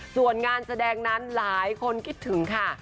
ส่วนงานแสดงนั้นหลายคนคิดถึงค่ะ